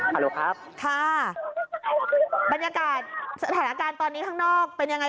ฮาโลครับค่ะบรรยากาศสถานการณ์ตอนนี้ข้างนอกเป็นยังไง